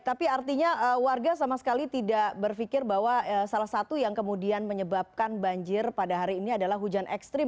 tapi artinya warga sama sekali tidak berpikir bahwa salah satu yang kemudian menyebabkan banjir pada hari ini adalah hujan ekstrim